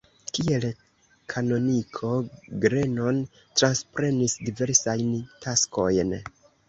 Kiel kanoniko Grenon transprenis diversajn taskojn.